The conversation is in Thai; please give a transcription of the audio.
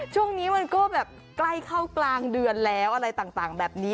ช่วงนี้มันก็แบบใกล้เข้ากลางเดือนแล้วอะไรต่างแบบนี้